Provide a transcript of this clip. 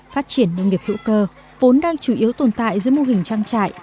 phát triển nông nghiệp hữu cơ vốn đang chủ yếu tồn tại giữa mô hình trang trại